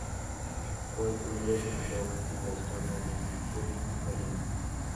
Fue el primer entrenador en la historia del Napoli italiano.